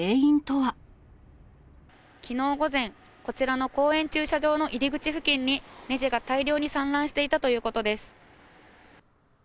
きのう午前、こちらの公園駐車場の入り口付近に、ねじが大量に散乱していたということです。